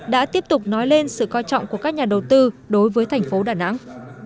đã tiếp tục nói lên sự coi trọng của các nhà đầu tư đối với thành phố đà nẵng